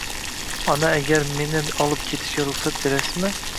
Ona agar meni olib ketishsa ruxsat berasizmi?